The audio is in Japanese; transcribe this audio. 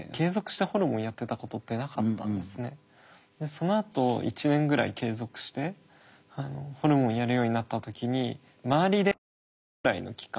そのあと１年ぐらい継続してホルモンをやるようになった時に周りでおんなじぐらいの期間